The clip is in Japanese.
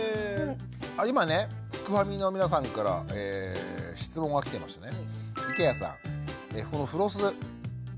今ねすくファミの皆さんから質問が来てましてね。